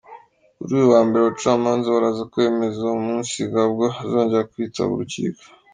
Kuri uyu wa mbere abacamanza baraza kwemeza umunsi Gbagbo azongera kwitaba urukiko.